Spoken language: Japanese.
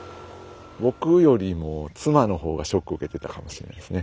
僕よりも妻の方がショックを受けてたかもしれないですね。